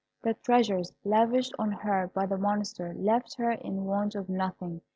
The treasures lavished on her by the Monster left her in want of nothing.